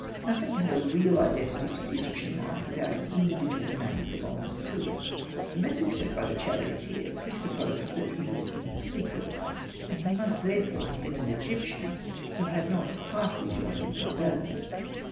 Nothing had a real entity to the Egyptian mind without an individual name belonging to it. The message sent by the charioteer pre supposes that he was in the secret ; and he must therefore have been an Egyptian who had not heartily joined in the rebellion.